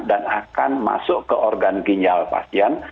dan akan masuk ke organ ginjal pasien